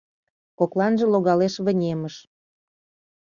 Кокланже логалеш вынемыш